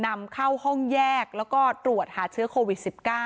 นำเข้าห้องแยกแล้วก็ตรวจหาเชื้อโควิด๑๙